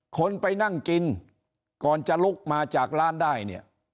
คนไปนั่งกินก่อนจะลุกมาจากร้านได้เนี่ย